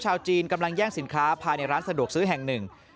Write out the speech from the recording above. ชาวจีนกำลังแย่งสินค้าภายในร้านสะดวกซื้อแห่งหนึ่ง